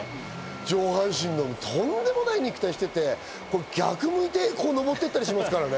上半身のとんでもない肉体をしていて逆むいて登っていたりしますからね。